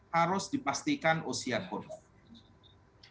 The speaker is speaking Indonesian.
harus dipastikan usia korban